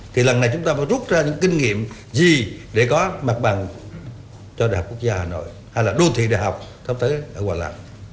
thì lần này chúng ta phải rút ra những kinh nghiệm gì để có mặt bằng cho đại học quốc gia hà nội hay là đô thị đại học thấp tới ở hòa lạc